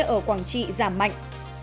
ở quảng trị giảm mạnh